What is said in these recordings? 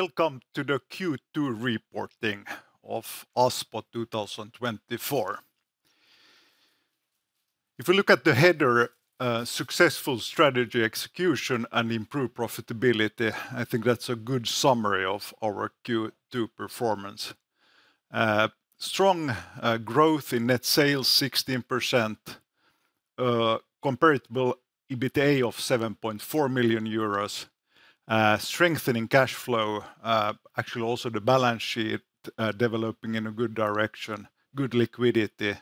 ...Welcome to the Q2 2024 reporting of Aspo. If we look at the header, "Successful strategy execution and improved profitability," I think that's a good summary of our Q2 performance. Strong growth in net sales, 16%, comparable EBITA of 7.4 million euros, strengthening cash flow, actually also the balance sheet developing in a good direction, good liquidity,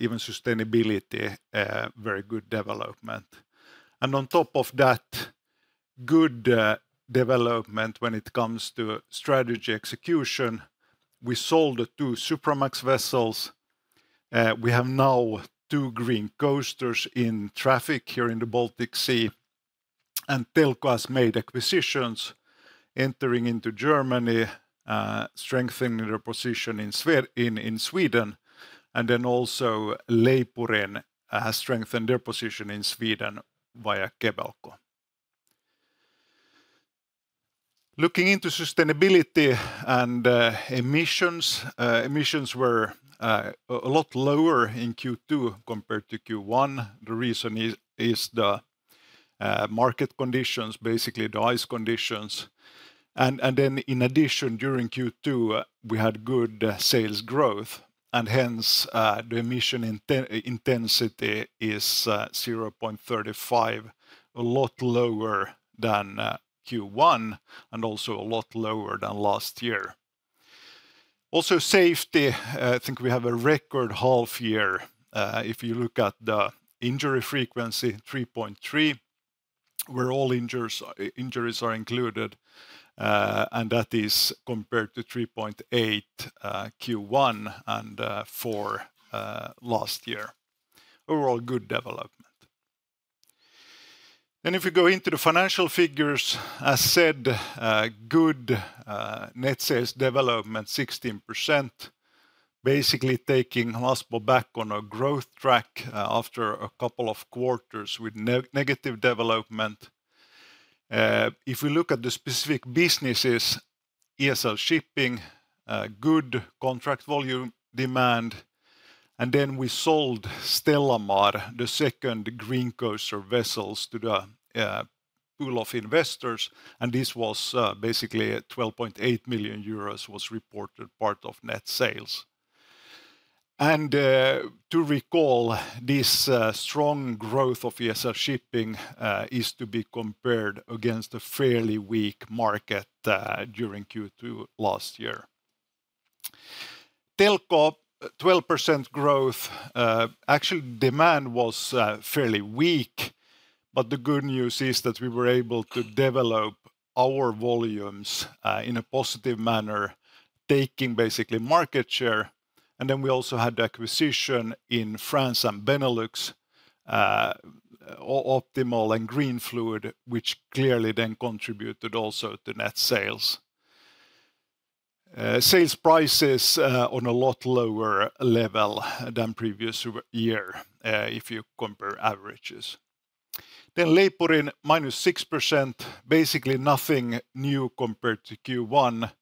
even sustainability, a very good development. And on top of that, good development when it comes to strategy execution. We sold the two Supramax vessels. We have now two Green Coasters in traffic here in the Baltic Sea, and Telko has made acquisitions entering into Germany, strengthening their position in Sweden, and then also Leipurin strengthened their position in Sweden via Kebelco. Looking into sustainability and emissions, emissions were a lot lower in Q2 compared to Q1. The reason is the market conditions, basically the ice conditions. And then in addition, during Q2, we had good sales growth, and hence the emission intensity is 0.35, a lot lower than Q1 and also a lot lower than last year. Also, safety, I think we have a record half year. If you look at the injury frequency, 3.3, where all injuries are included, and that is compared to 3.8 Q1 and 4 last year. Overall, good development. Then if you go into the financial figures, as said, good net sales development, 16%, basically taking Aspo back on a growth track after a couple of quarters with negative development. If we look at the specific businesses, ESL Shipping, good contract volume demand, and then we sold Stellamar, the second Green Coaster vessels, to the pool of investors, and this was basically 12.8 million euros was reported part of net sales. And to recall, this strong growth of ESL Shipping is to be compared against a fairly weak market during Q2 last year. Telko, 12% growth. Actually, demand was fairly weak, but the good news is that we were able to develop our volumes in a positive manner, taking basically market share, and then we also had the acquisition in France and Benelux, Optimol and Greenfluid, which clearly then contributed also to net sales. Sales prices on a lot lower level than previous year, if you compare averages. Then Leipurin, -6%, basically nothing new compared to Q1.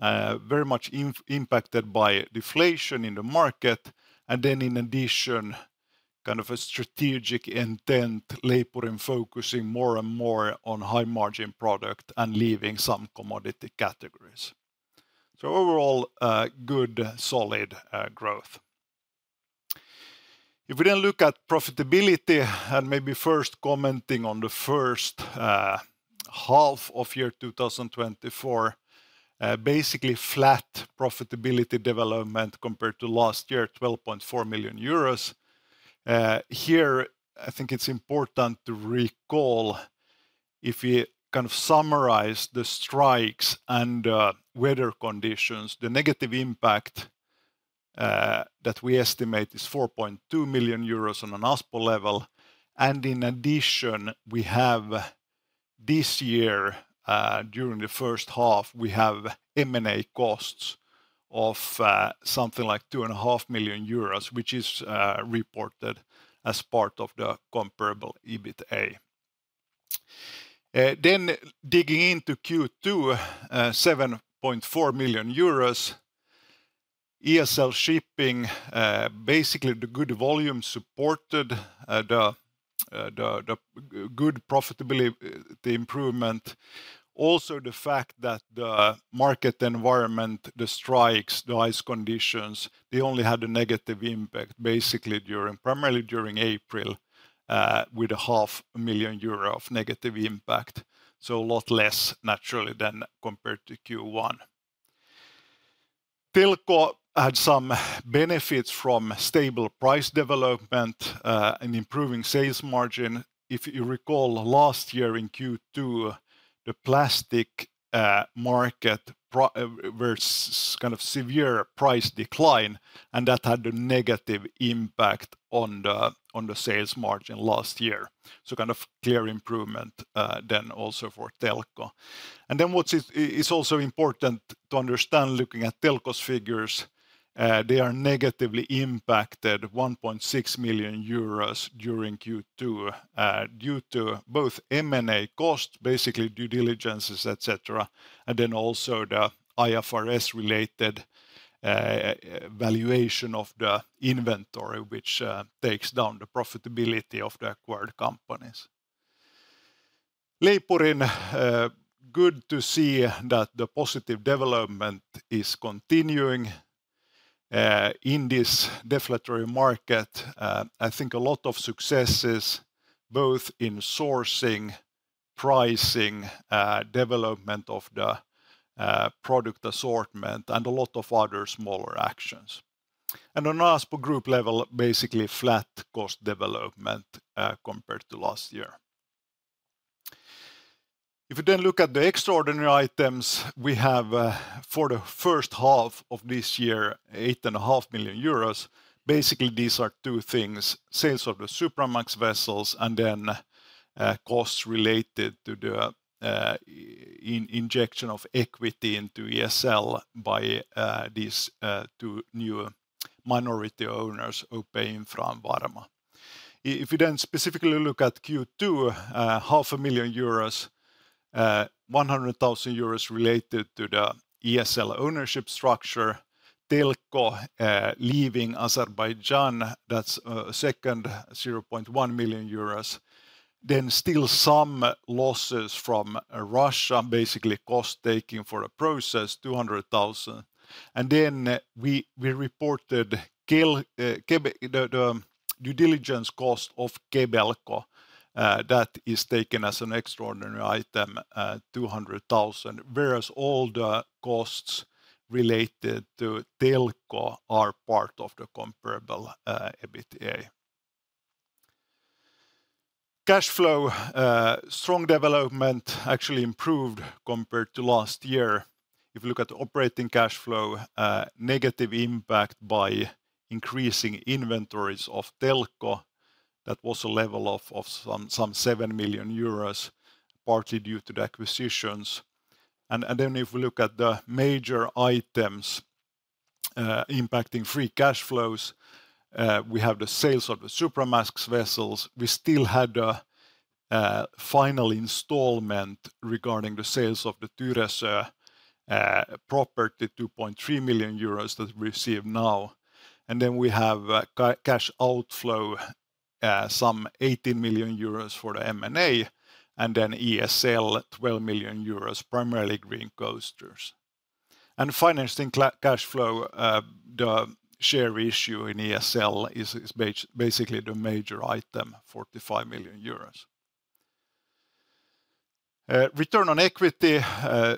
Very much impacted by deflation in the market, and then in addition, kind of a strategic intent, Leipurin focusing more and more on high-margin product and leaving some commodity categories. So overall, good, solid growth. If we then look at profitability, and maybe first commenting on the first half of year 2024, basically flat profitability development compared to last year, 12.4 million euros. Here, I think it's important to recall, if we kind of summarize the strikes and weather conditions, the negative impact that we estimate is 4.2 million euros on an Aspo level. And in addition, we have this year, during the first half, we have M&A costs of something like 2.5 million euros, which is reported as part of the Comparable EBITA. Then digging into Q2, 7.4 million euros, ESL Shipping basically, the good volume supported the good profitability, the improvement. Also, the fact that the market environment, the strikes, the ice conditions, they only had a negative impact, basically, during—primarily during April, with 500,000 euro of negative impact, so a lot less naturally than compared to Q1. Telko had some benefits from stable price development and improving sales margin. If you recall, last year in Q2, the plastic market kind of severe price decline, and that had a negative impact on the, on the sales margin last year. So kind of clear improvement, then also for Telko. Then what is also important to understand, looking at Telko's figures, they are negatively impacted 1.6 million euros during Q2, due to both M&A costs, basically due diligences, et cetera, and then also the IFRS-related valuation of the inventory, which takes down the profitability of the acquired companies. Leipurin, good to see that the positive development is continuing in this deflationary market. I think a lot of successes, both in sourcing, pricing, development of the product assortment, and a lot of other smaller actions. And on Aspo Group level, basically, flat cost development compared to last year. If you then look at the extraordinary items, we have for the first half of this year, 8.5 million euros. Basically, these are two things: sales of the Supramax vessels, and then costs related to the injection of equity into ESL by these two new minority owners, OP Infra, Varma. If you then specifically look at Q2, 0.5 million euros, 100,000 euros related to the ESL ownership structure, Telko leaving Azerbaijan, that's second 0.1 million euros. Then still some losses from Russia, basically, cost taking for a process, 200,000. And then, we reported the due diligence cost of Kebelco. That is taken as an extraordinary item, 200,000, whereas all the costs related to Telko are part of the comparable EBITDA. Cash flow strong development actually improved compared to last year. If you look at the operating cash flow, negative impact by increasing inventories of Telko, that was a level of some 7 million euros, partly due to the acquisitions. And then if we look at the major items impacting free cash flows, we have the sales of the Supramax vessels. We still had a final installment regarding the sales of the Tyresö property, 2.3 million euros that we receive now. And then we have cash outflow, some 80 million euros for the M&A, and then ESL, 12 million euros, primarily Green Coasters. And financing cash flow, the share issue in ESL is basically the major item, 45 million euros. Return on equity,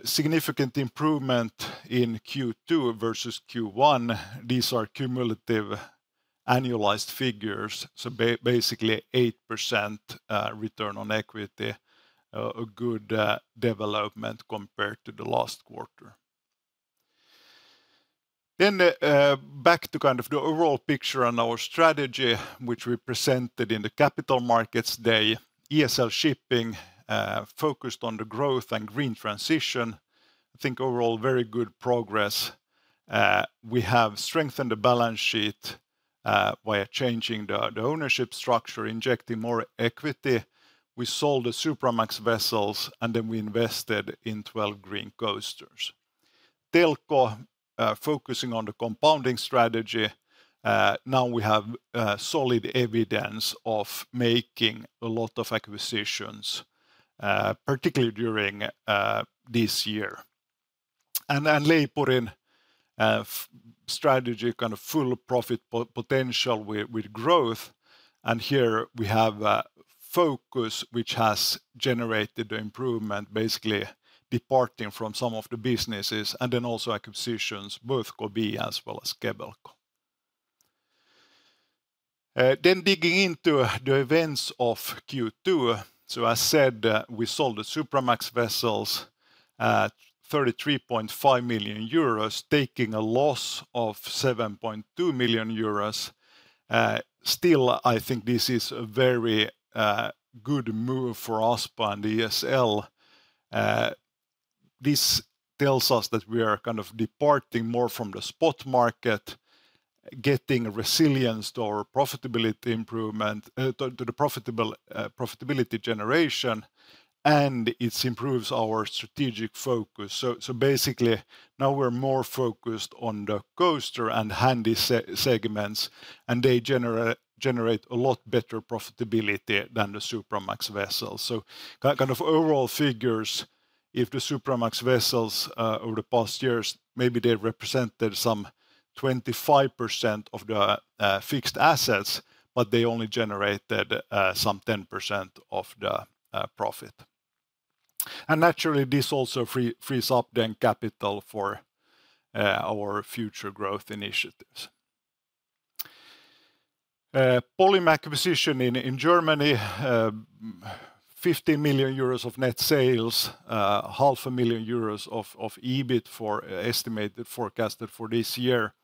significant improvement in Q2 versus Q1. These are cumulative annualized figures, so basically 8%, return on equity, a good development compared to the last quarter. Back to kind of the overall picture on our strategy, which we presented in the Capital Markets Day, ESL Shipping focused on the growth and green transition. I think overall, very good progress. We have strengthened the balance sheet via changing the ownership structure, injecting more equity. We sold the Supramax vessels, and then we invested in 12 Green Coasters. Telko focusing on the compounding strategy, now we have solid evidence of making a lot of acquisitions, particularly during this year. And then Leipurin strategy, kind of full profit potential with growth, and here we have a focus, which has generated the improvement, basically departing from some of the businesses, and then also acquisitions, both Kobia as well as Kebelco. Then digging into the events of Q2. So I said, we sold the Supramax vessels at 33.5 million euros, taking a loss of 7.2 million euros. Still, I think this is a very good move for Aspo and ESL. This tells us that we are kind of departing more from the spot market, getting resilience to our profitability improvement, to the profitable profitability generation, and it improves our strategic focus. So basically, now we're more focused on the coaster and handy segments, and they generate a lot better profitability than the Supramax vessels. So kind of overall figures, if the Supramax vessels over the past years maybe they represented some 25% of the fixed assets, but they only generated some 10% of the profit. And naturally, this also frees up the capital for our future growth initiatives. Polyma acquisition in Germany, 50 million euros of net sales, 500,000 euros of EBIT estimated, forecasted for this year.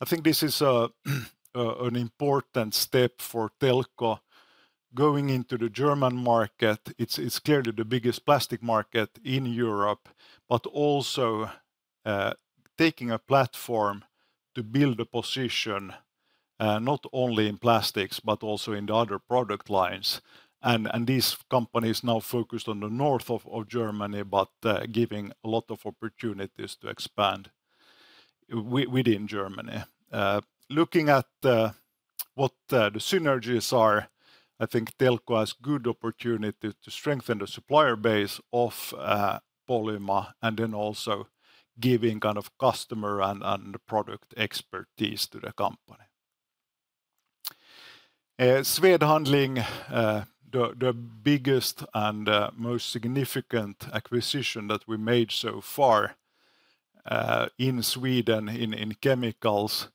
I think this is an important step for Telko going into the German market. It's clearly the biggest plastic market in Europe, but also taking a platform to build a position not only in plastics, but also in the other product lines. This company is now focused on the north of Germany, but giving a lot of opportunities to expand within Germany. Looking at what the synergies are, I think Telko has good opportunity to strengthen the supplier base of Polyma, and then also giving kind of customer and product expertise to the company. Swed Handling, the biggest and most significant acquisition that we made so far, in Sweden, in chemicals,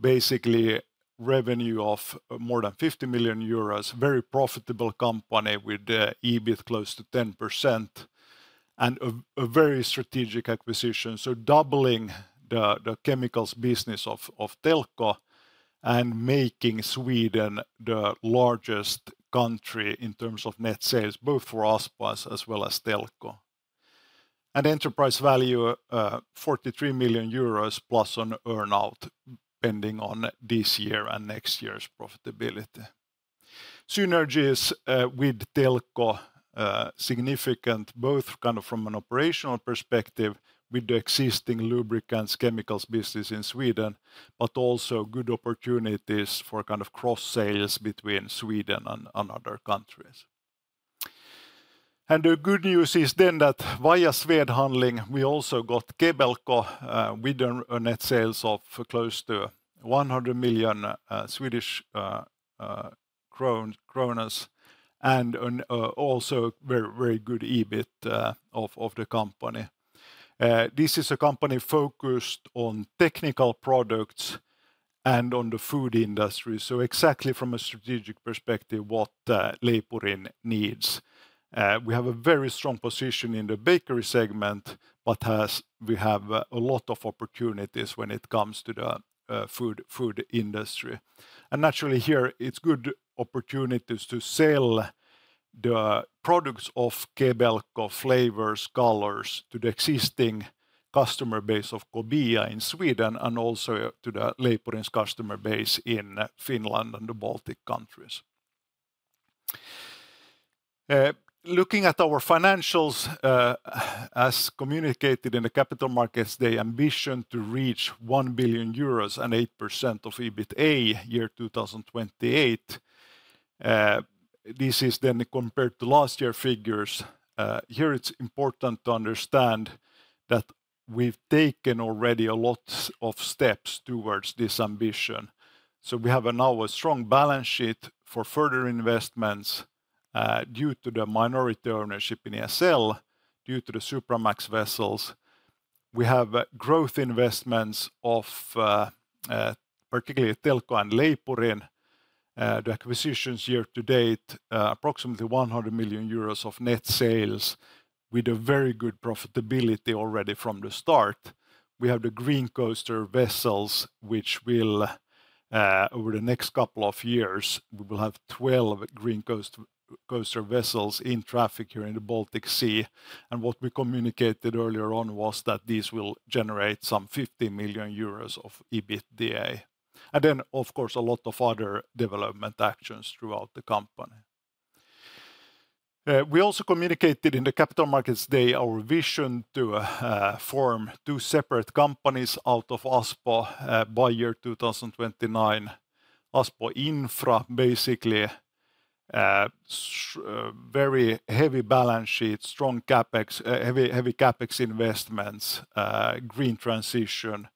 basically revenue of more than 50 million euros. Very profitable company with EBIT close to 10%, and a very strategic acquisition. So doubling the chemicals business of Telko and making Sweden the largest country in terms of net sales, both for Aspo as well as Telko. Enterprise value, 43 million euros plus on earn-out, pending on this year and next year's profitability. Synergies with Telko significant both kind of from an operational perspective with the existing lubricants, chemicals business in Sweden, but also good opportunities for kind of cross sales between Sweden and other countries. The good news is then that via Swed Handling, we also got Kebelco with a net sales of close to 100 million kronor and an also very, very good EBIT of the company. This is a company focused on technical products and on the food industry, so exactly from a strategic perspective, what Leipurin needs. We have a very strong position in the bakery segment, but as we have a lot of opportunities when it comes to the food industry. And naturally, here, it's good opportunities to sell the products of Kebelco: flavors, colors, to the existing customer base of Kobia in Sweden, and also to the Leipurin customer base in Finland and the Baltic countries. Looking at our financials, as communicated in the capital markets, the ambition to reach 1 billion euros and 8% of EBITA, 2028. This is then compared to last year figures. Here it's important to understand that we've taken already a lot of steps towards this ambition. So we have now a strong balance sheet for further investments, due to the minority ownership in ESL, due to the Supramax vessels. We have growth investments of, particularly Telko and Leipurin. The acquisitions year to date, approximately 100 million euros of net sales, with a very good profitability already from the start. We have the Green Coaster vessels, which will, over the next couple of years, we will have 12 Green Coaster vessels in traffic here in the Baltic Sea. And what we communicated earlier on was that these will generate some 50 million euros of EBITDA. And then, of course, a lot of other development actions throughout the company. We also communicated in the capital markets day, our vision to, form two separate companies out of Aspo, by year 2029. Aspo Infra, basically, very heavy balance sheet, strong CapEx, heavy, heavy CapEx investments, green transition,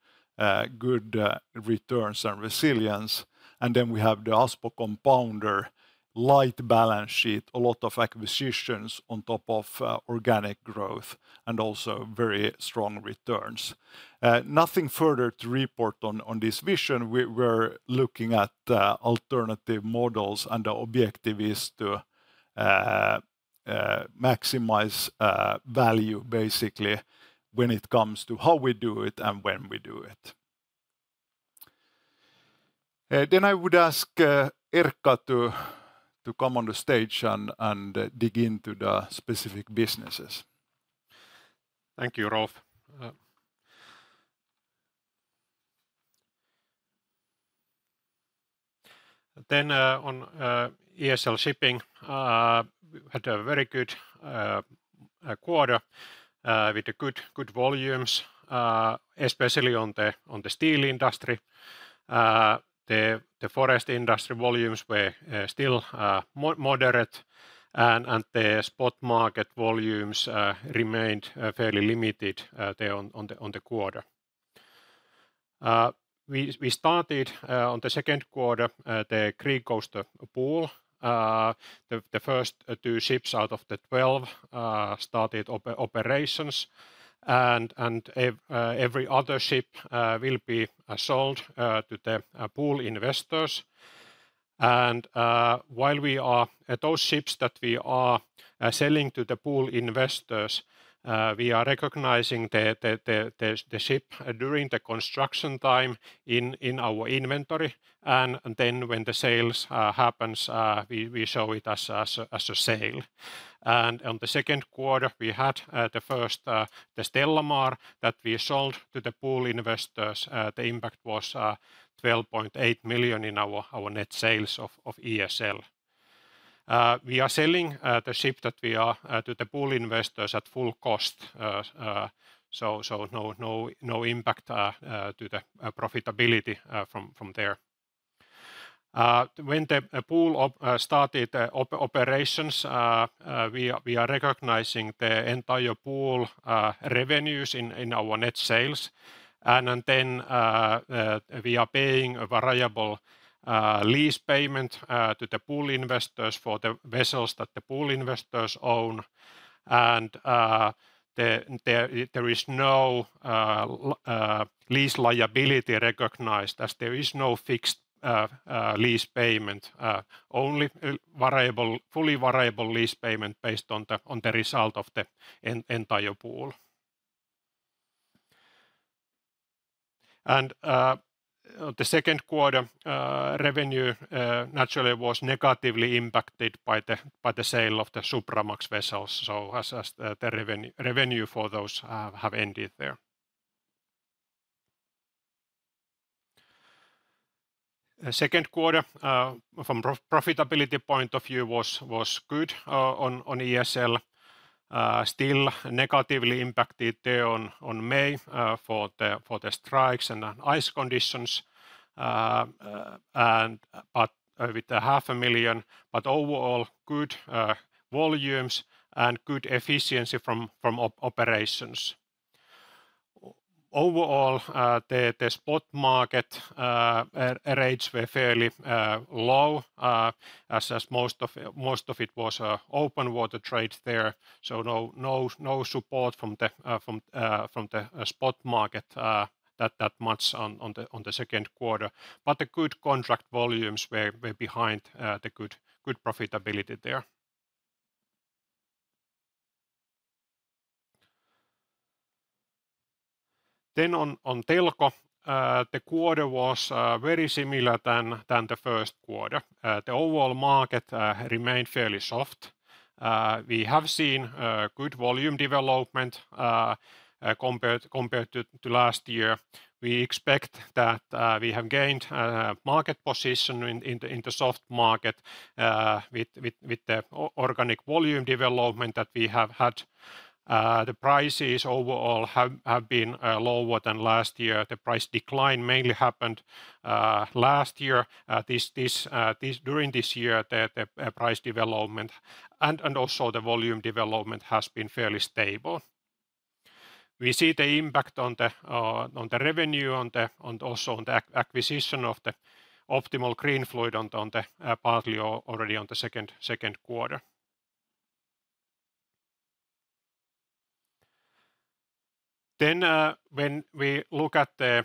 good, returns and resilience. And then we have the Aspo Compounder, light balance sheet, a lot of acquisitions on top of organic growth, and also very strong returns. Nothing further to report on this vision. We're looking at alternative models, and the objective is to maximize value, basically, when it comes to how we do it and when we do it. Then I would ask Erkka to come on the stage and dig into the specific businesses. Thank you, Rolf. Then, on ESL Shipping, we had a very good quarter with the good, good volumes, especially on the steel industry. The forest industry volumes were still moderate, and the spot market volumes remained fairly limited there on the quarter. We started on the second quarter the Green Coaster pool. The first 2 ships out of the 12 started operations, and every other ship will be sold to the pool investors. And while we are...Those ships that we are selling to the pool investors, we are recognizing the ship during the construction time in our inventory, and then when the sales happens, we show it as a sale. On the second quarter, we had the first, the Stellamar, that we sold to the pool investors. The impact was 12.8 million in our net sales of ESL. We are selling the ship that we are to the pool investors at full cost. So no impact to the profitability from there. When the pool operations started, we are recognizing the entire pool revenues in our net sales. And then, we are paying a variable lease payment to the pool investors for the vessels that the pool investors own. And, there is no lease liability recognized as there is no fixed lease payment, only variable, fully variable lease payment based on the result of the entire pool. And, the second quarter revenue naturally was negatively impacted by the sale of the Supramax vessels, so the revenue for those have ended there. The second quarter, from profitability point of view, was good on ESL. Still negatively impacted there on May for the strikes and ice conditions, and... But, with 0.5 million, but overall, good volumes and good efficiency from operations. Overall, the spot market rates were fairly low, as most of it was open water trade there, so no support from the spot market that much on the second quarter. But the good contract volumes were behind the good profitability there. Then on Telko, the quarter was very similar than the first quarter. The overall market remained fairly soft. We have seen good volume development compared to last year. We expect that we have gained market position in the soft market with the organic volume development that we have had. The prices overall have been lower than last year. The price decline mainly happened last year. During this year, the price development and also the volume development has been fairly stable. We see the impact on the revenue, and also on the acquisition of the Optimol, Greenfluid partly already on the second quarter. Then, when we look at the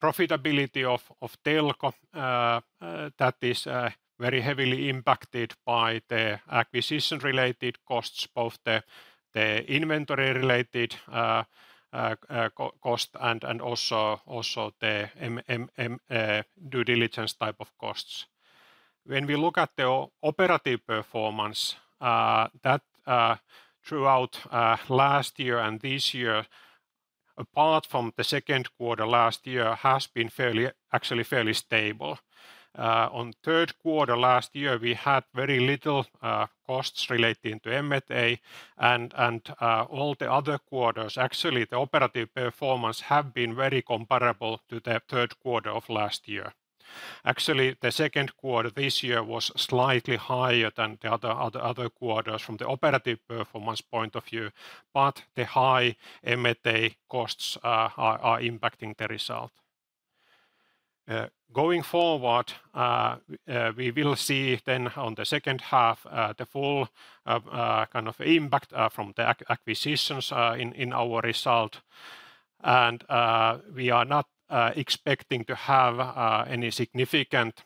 profitability of Telko, that is very heavily impacted by the acquisition-related costs, both the inventory-related cost and also the due diligence type of costs. When we look at the operative performance, that throughout last year and this year, apart from the second quarter last year, has been fairly, actually fairly stable. On third quarter last year, we had very little costs relating to M&A. And all the other quarters, actually, the operative performance have been very comparable to the third quarter of last year. Actually, the second quarter this year was slightly higher than the other quarters from the operative performance point of view, but the high M&A costs are impacting the result. Going forward, we will see then on the second half the full kind of impact from the acquisitions in our result. And we are not expecting to have any significant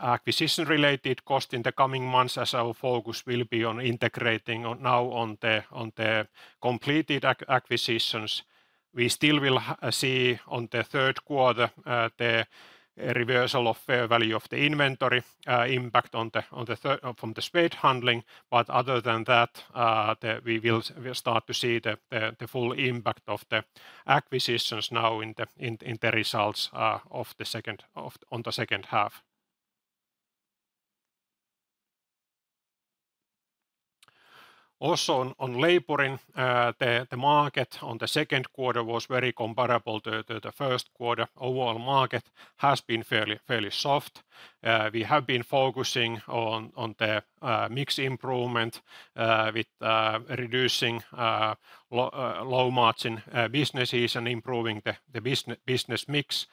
acquisition-related cost in the coming months, as our focus will be on integrating now the completed acquisitions. We still will see on the third quarter the reversal of fair value of the inventory impact from the Swed Handling. But other than that, we'll start to see the full impact of the acquisitions now in the results on the second half. Also, on the labor market, the second quarter was very comparable to the first quarter. The overall market has been fairly soft. We have been focusing on the mix improvement with reducing low margin businesses and improving the business mix.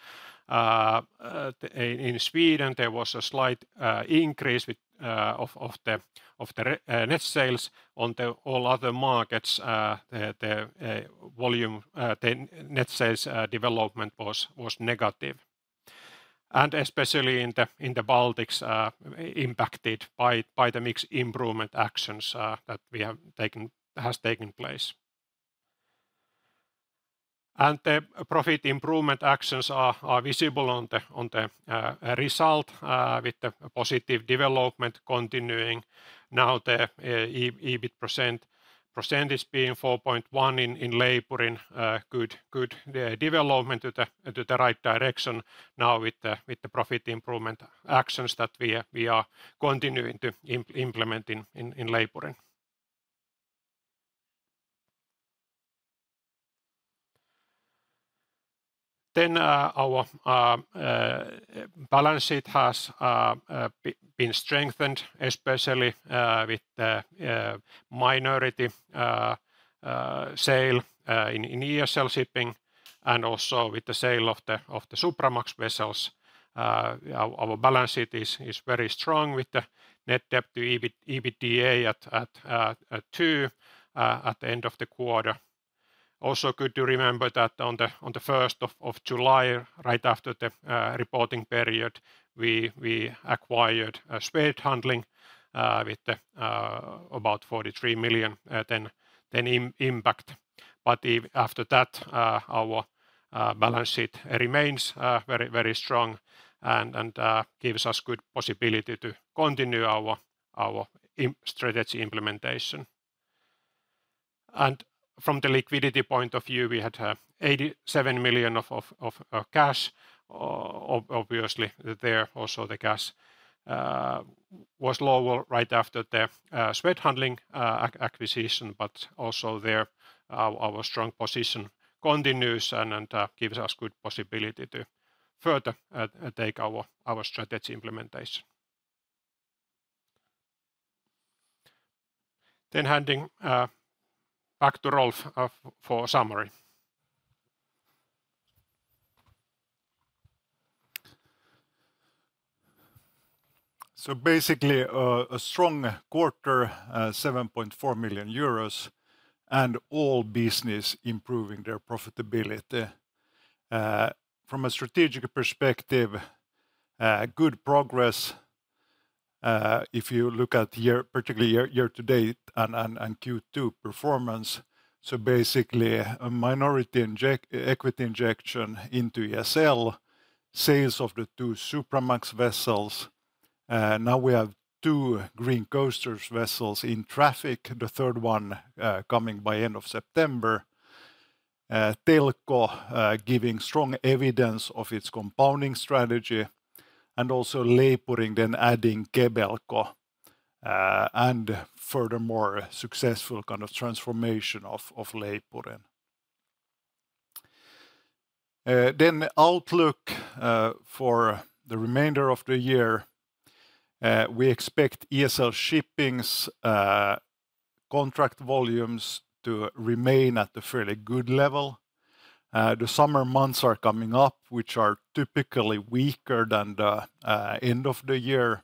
In Sweden, there was a slight increase of the net sales. On all other markets, the volume the net sales development was negative, and especially in the Baltics, impacted by the mix improvement actions that have taken place. The profit improvement actions are visible on the result with the positive development continuing. Now, the EBIT % is 4.1% in Leipurin. Good development to the right direction now with the profit improvement actions that we are continuing to implement in Leipurin. Then, our balance sheet has been strengthened, especially with the minority sale in ESL Shipping and also with the sale of the Supramax vessels. Our balance sheet is very strong, with the net debt to EBITDA at 2 at the end of the quarter. Also, good to remember that on the first of July, right after the reporting period, we acquired Swed Handling with about 43 million, then impact. But after that, our balance sheet remains very, very strong and gives us good possibility to continue our strategy implementation. And from the liquidity point of view, we had 87 million of cash. Obviously, there also the cash was lower right after the Swed Handling acquisition, but also there, our strong position continues and gives us good possibility to further take our strategy implementation. Then handing back to Rolf for summary. So basically, a strong quarter, 7.4 million euros, and all business improving their profitability. From a strategic perspective, good progress, if you look at year particularly year to date and Q2 performance. So basically, a minority equity injection into ESL, sales of the two Supramax vessels, now we have two Green Coaster vessels in traffic, the third one coming by end of September. Telko giving strong evidence of its compounding strategy, and also Leipurin then adding Kebelco, and furthermore, successful kind of transformation of Leipurin. Then the outlook for the remainder of the year, we expect ESL Shipping's contract volumes to remain at a fairly good level. The summer months are coming up, which are typically weaker than the end of the year.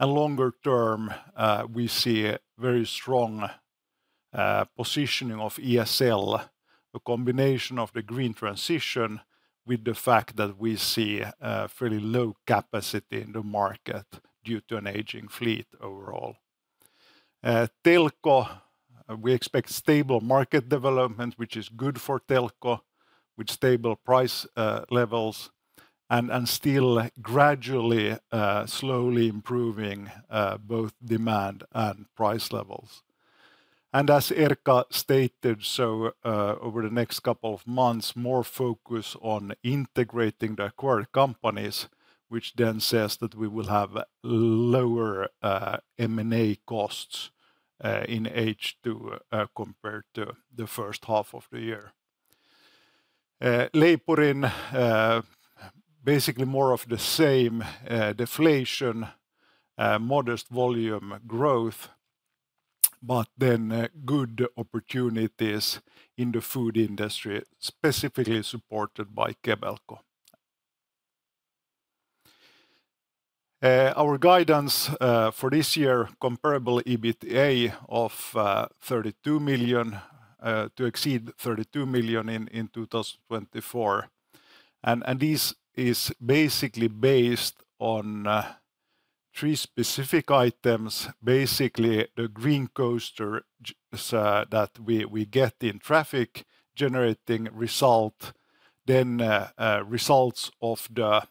Longer term, we see a very strong positioning of ESL, a combination of the green transition with the fact that we see fairly low capacity in the market due to an aging fleet overall. Telko, we expect stable market development, which is good for Telko, with stable price levels and still gradually slowly improving both demand and price levels. And as Erkka stated, so over the next couple of months, more focus on integrating the acquired companies, which then says that we will have lower M&A costs in H2 compared to the first half of the year. Leipurin, basically more of the same, deflation, modest volume growth, but then good opportunities in the food industry, specifically supported by Kebelco. Our guidance for this year, comparable EBITDA of 32 million to exceed 32 million in 2024. This is basically based on three specific items. Basically, the Green Coaster that we get in traffic, generating result, then results of the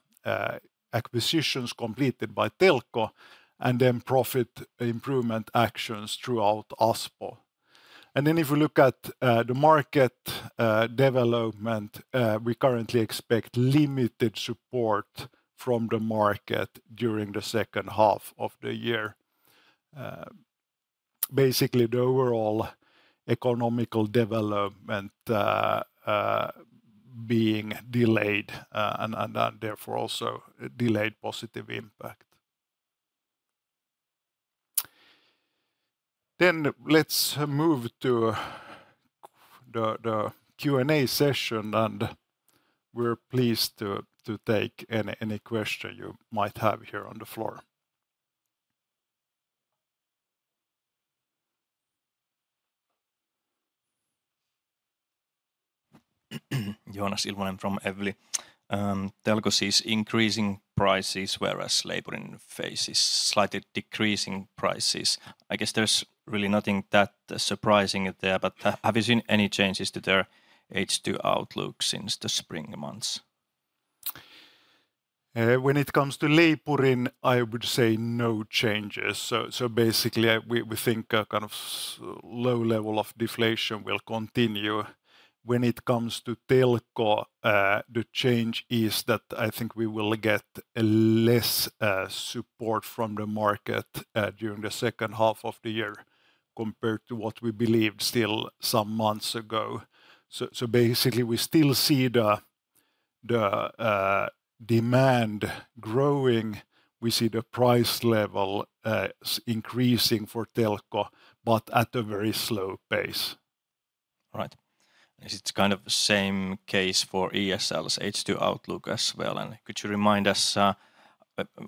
acquisitions completed by Telko, and then profit improvement actions throughout Aspo. Then if you look at the market development, we currently expect limited support from the market during the second half of the year. Basically, the overall economic development being delayed and therefore also delayed positive impact. Then let's move to the Q&A session, and we're pleased to take any question you might have here on the floor. Joonas Ilvonen from Evli. Telko sees increasing prices, whereas Leipurin faces slightly decreasing prices. I guess there's really nothing that surprising there, but have you seen any changes to their H2 outlook since the spring months? When it comes to Leipurin, I would say no changes. So, basically, we think a kind of low level of deflation will continue. When it comes to Telko, the change is that I think we will get less support from the market during the second half of the year, compared to what we believed still some months ago. So, basically, we still see the demand growing, we see the price level increasing for Telko, but at a very slow pace. All right. Is it kind of the same case for ESL's H2 outlook as well? And could you remind us,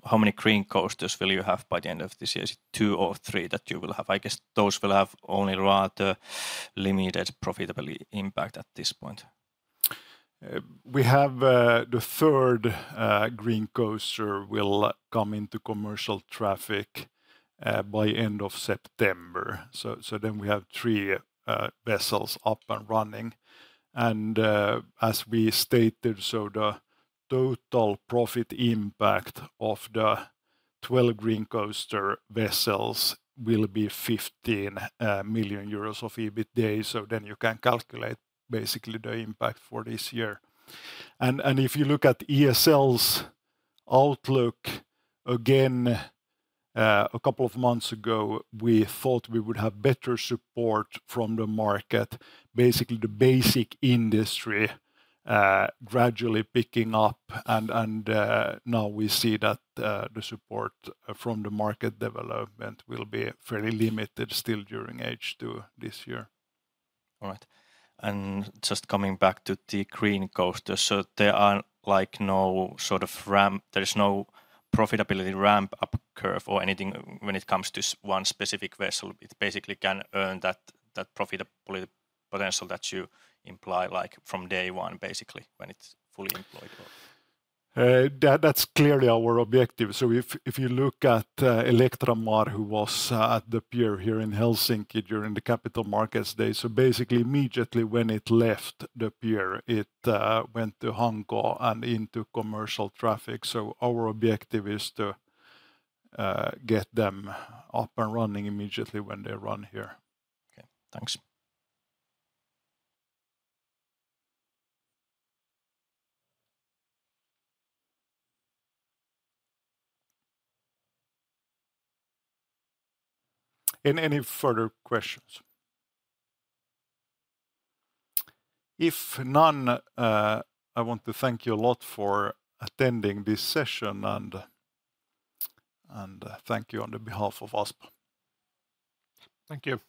how many Green Coasters will you have by the end of this year? Is it two or three that you will have? I guess those will have only rather limited profitability impact at this point. We have the third Green Coaster will come into commercial traffic by end of September. So then we have three vessels up and running. And as we stated, the total profit impact of the 12 Green Coaster vessels will be 15 million euros of EBITDA, so then you can calculate basically the impact for this year. And if you look at ESL's outlook, again, a couple of months ago, we thought we would have better support from the market. Basically, the basic industry gradually picking up, and now we see that the support from the market development will be fairly limited still during H2 this year. All right. Just coming back to the Green Coaster, so there are, like, no sort of ramp... There is no profitability ramp-up curve or anything when it comes to one specific vessel? It basically can earn that, that profitability potential that you imply, like, from day one, basically, when it's fully employed or? That, that's clearly our objective. So if you look at Electramar, who was at the pier here in Helsinki during the Capital Markets Day, so basically, immediately when it left the pier, it went to Hanko and into commercial traffic. So our objective is to get them up and running immediately when they run here. Okay, thanks. Any further questions? If none, I want to thank you a lot for attending this session, and thank you on behalf of Aspo. Thank you.